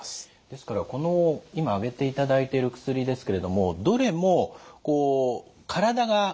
ですからこの今挙げていただいてる薬ですけれどもどれもこう体が薬に慣れてしまう。